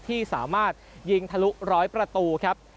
ที่สามารถยิงทะลุร้อยประตูครับ